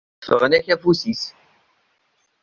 Ffɣen akk afus-is.